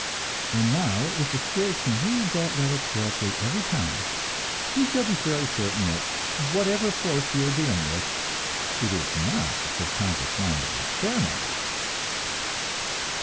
And now, if the spirit can read that letter correctly every time, we shall be fairly certain that whatever force we are dealing with, it is not the subconscious mind of the experimenter.